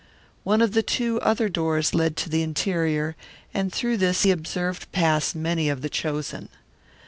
One of the two other doors led to the interior, and through this he observed pass many of the chosen.